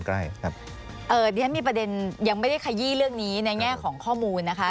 ใกล้ครับเอ่อเนี้ยมีประเด็นยังไม่ได้ขยี้เรื่องนี้ในแง่ของข้อมูลนะคะ